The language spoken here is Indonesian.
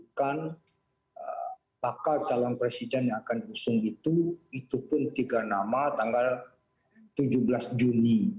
bukan bakal calon presiden yang akan diusung itu itu pun tiga nama tanggal tujuh belas juni